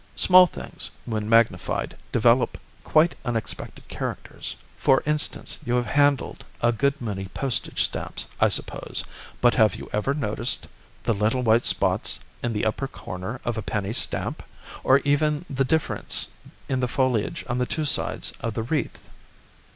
Small things, when magnified, develop quite unexpected characters; for instance, you have handled a good many postage stamps, I suppose, but have you ever noticed the little white spots in the upper corner of a penny stamp, or even the difference in the foliage on the two sides of the wreath?"